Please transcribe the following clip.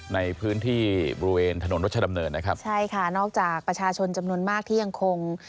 ในพื้นที่บริเวณถนนรัชดำเนินนะครับใช่ค่ะนอกจากประชาชนจำนวนมากที่ยังคง